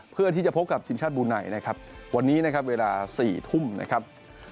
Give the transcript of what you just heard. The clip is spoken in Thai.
เพื่อที่จะพบกับทีมชาติบูไนนะครับวันนี้นะครับเวลา๔ทุ่มนะครับ